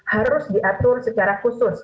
harus diatur secara khusus